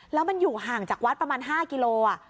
แล้วมันอยู่ห่างจากวัดประมาณ๕กิโล